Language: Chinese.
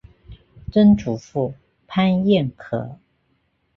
曾祖父潘彦可。